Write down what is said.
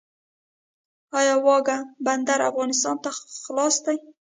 آیا واګه بندر افغانستان ته خلاص دی؟